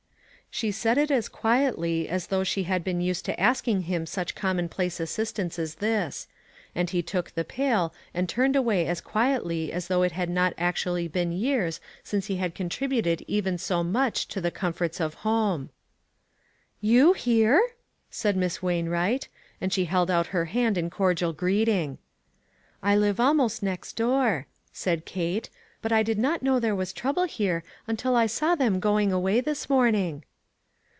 She said it as quietly as though she had THE PROOF OF THE DIVINE HAND. 289 been used to asking him such commonplace assistance as this ; and he took the pail and turned away as quietly as though it had not actually been years since he had con tributed even so much to the comforts of a home. " You here ?" said Miss Wainwright ; and she held out her hand in cordial greeting. "I live almost next door," said Kate, "but I did not know there was trouble here until I saw them going away this morning."